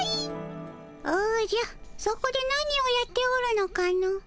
おじゃそこで何をやっておるのかの？